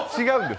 違う！